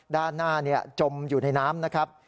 ด้านหน้าจมอยู่ในน้ำนะครับ